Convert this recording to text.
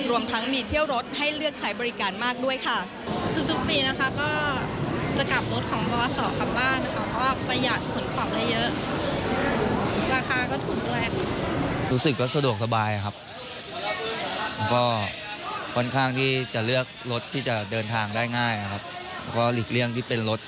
รวมทั้งมีเที่ยวรถให้เลือกใช้บริการมากด้วยค่ะ